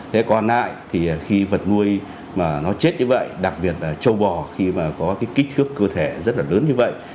thế còn lại thì khi vật nuôi mà nó chết như vậy đặc biệt là châu bò khi mà có cái kích thước cơ thể rất là lớn như vậy